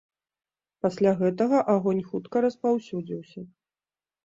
Пасля гэтага агонь хутка распаўсюдзіўся.